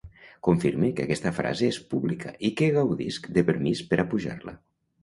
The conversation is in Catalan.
Confirme que aquesta frase és pública i que gaudisc de permís per a pujar-la